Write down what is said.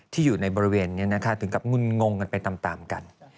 อยู่ในบริเวณนี้นะคะถึงกับงุ่นงงกันไปตามกัน